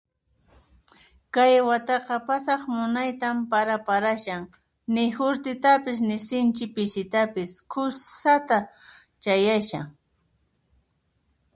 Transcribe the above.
Kay wataqa pasaq munaytan para parashan ni furtitapas ni sinchi pisitapis khusatan parashan.